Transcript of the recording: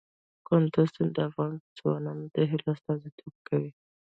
کندز سیند د افغان ځوانانو د هیلو استازیتوب کوي.